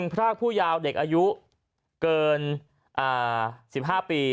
พรากผู้ยาวเด็กอายุเกิน๑๕ปี